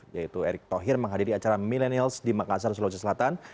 yaitu erick thohir menghadiri acara milenials di makassar sulawesi selatan